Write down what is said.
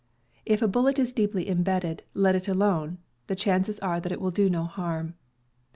If a bullet is deeply imbedded, let it alone; the chances are that it will do no harm.